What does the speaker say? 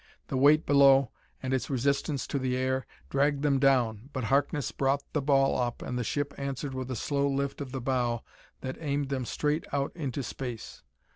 The weight below, and its resistance to the air, dragged them down, but Harkness brought the ball up, and the ship answered with a slow lift of the bow that aimed them straight out into space.